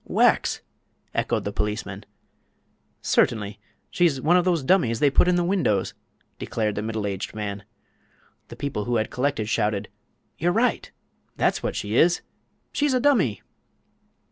"Wax!" echoed the policeman. "Certainly. She's one of those dummies they put in the windows," declared the middle aged man. The people who had collected shouted: "You're right!" "That's what she is!" "She's a dummy!"